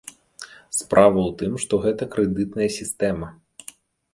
Справа ў тым, што тут крэдытная сістэма.